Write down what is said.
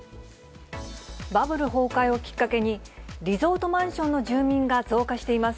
バブル崩壊をきっかけに、リゾートマンションの住民が増加しています。